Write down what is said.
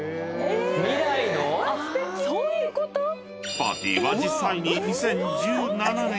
［パーティーは実際に２０１７年に開催］